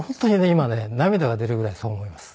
今ね涙が出るぐらいそう思います。